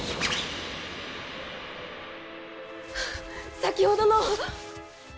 先ほどの！